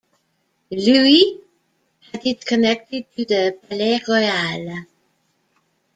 Louis had it connected to the Palais-Royal.